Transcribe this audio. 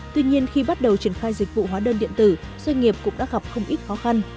tuy nhiên khi bắt đầu triển khai dịch vụ hóa đơn điện tử doanh nghiệp cũng đã gặp không ít khó khăn